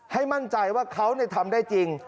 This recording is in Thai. ให้มั่นใจว่าเขาทำได้จริง